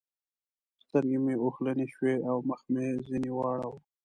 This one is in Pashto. سترګې مې اوښلنې شوې او مخ مې ځنې واړاوو.